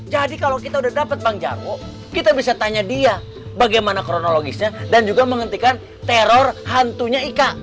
jadi kalau kita udah dapat bang jarwo kita bisa tanya dia bagaimana kronologisnya dan juga menghentikan teror hantunya ika